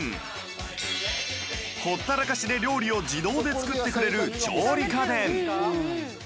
ほったらかしで料理を自動で作ってくれる調理家電